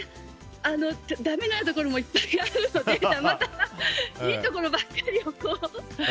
だめなところもいっぱいあるのでたまたまいいところばっかりを。